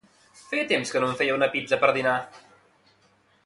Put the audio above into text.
Feia temps que no em feia una pizza per dinar